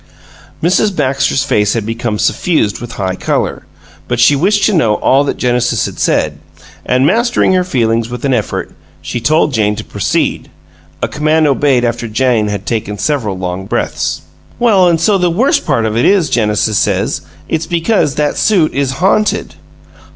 Mrs. Baxter's face had become suffused with high color, but she wished to know all that Genesis had said, and, mastering her feelings with an effort, she told Jane to proceed a command obeyed after Jane had taken several long breaths. "Well, an' so the worst part of it is, Genesis says, it's because that suit is haunted."